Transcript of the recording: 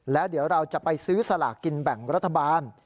แล้วเดี๋ยวเราจะไปซื้อสลากกินแบ่งรัฐบาล